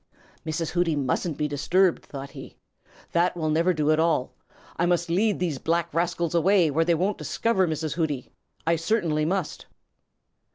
"Mrs. Hooty mustn't be disturbed," thought he. "That will never do at all. I must lead these black rascals away where they won't discover Mrs. Hooty. I certainly must."